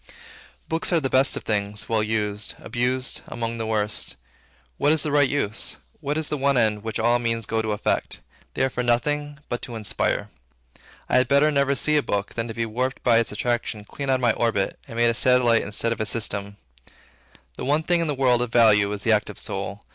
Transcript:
Books are the best of things, well used; abused, among the worst. What is the right use? What is the one end, which all means go to effect? They are for nothing but to inspire. I had better never see a book, than to be warped by its attraction clean out of my own orbit, and made a satellite instead of a system. The one thing in the world, of value, is the active soul.